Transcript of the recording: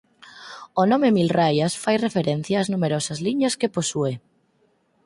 O nome mil raias fai referencia ás numerosas liñas que posúe.